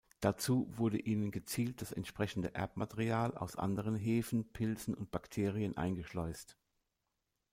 Dazu wurde ihnen gezielt das entsprechende Erbmaterial aus anderen Hefen, Pilzen und Bakterien eingeschleust.